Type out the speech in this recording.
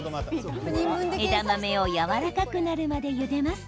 枝豆をやわらかくなるまでゆでます。